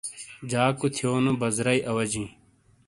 جاکو تھیونو بزرئی اواجئی ۔